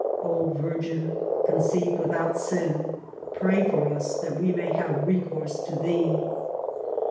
" O Virgin, conceived without sin, pray for us, that we may have recourse to thee."